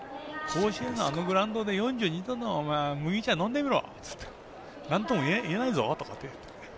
甲子園のあのグラウンドで４２度の麦茶飲んでみろっていってなんともいえないぞとかって。